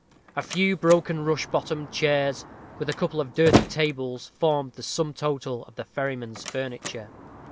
A few broken rush bottomed chairs, with a couple of dirty tables, formed the sum total of the ferryman's furniture.